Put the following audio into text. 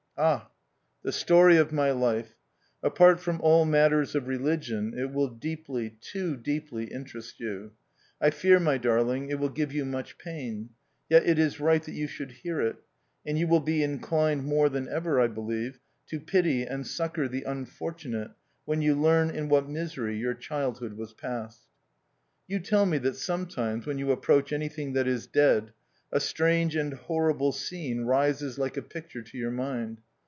Ah ! the story of my life. ... Apart from all matters of religion it will deeply, too deej)ly interest you. I fear, my darling, it will give you much pain ; yet it is right that you should hear it; and you will be in clined more than ever, I believe, to pity and succour the unfortunate when you learn in what misery your childhood was passed. You tell me that sometimes when you ap proach anything that is dead, a strange and horrible scene rises like a picture to your mind.